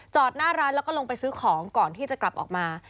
หน้าร้านแล้วก็ลงไปซื้อของก่อนที่จะกลับออกมา